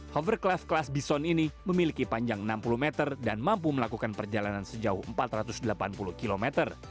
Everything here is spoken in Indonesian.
hoverclasf kelas bison ini memiliki panjang enam puluh meter dan mampu melakukan perjalanan sejauh empat ratus delapan puluh km